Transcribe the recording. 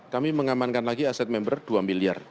kami mengamankan lagi aset member dua miliar